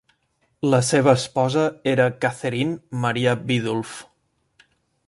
La seva esposa era Catherine Maria Biddulph.